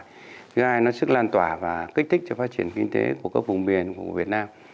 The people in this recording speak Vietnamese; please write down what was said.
thứ hai nó sức lan tỏa và kích thích cho phát triển kinh tế của các vùng biển của việt nam